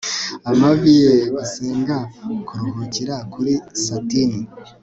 Amavi ye gusenga kuruhukira kuri satin